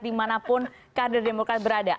dimanapun kader demokrat berada